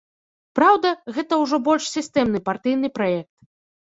Праўда, гэта ўжо больш сістэмны партыйны праект.